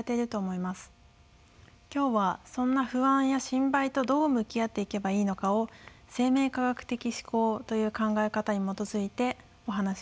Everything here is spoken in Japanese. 今日はそんな不安や心配とどう向き合っていけばいいのかを生命科学的思考という考え方に基づいてお話ししていきます。